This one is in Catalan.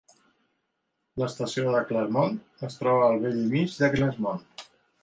L'estació de Claremont es troba al bell mig de Claremont.